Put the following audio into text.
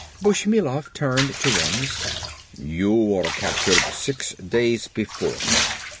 Bushmilov turned to Wims. "You are captured six days before.